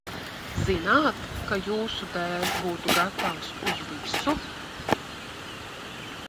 Zināt, ka jūsu dēļ būtu gatavs uz visu?